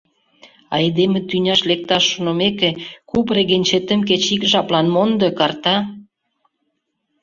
Айдеме тӱняш лекташ шонымеке, куп регенчетым кеч ик жаплан мондо, карта!